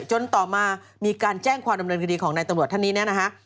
จนต่อมามีการแจ้งความดำเนินคดีของนายตำรวจท่านนี้เนี่ยนะฮะ